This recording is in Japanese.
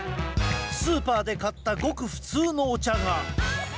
スーパーで買ったごく普通のお茶が。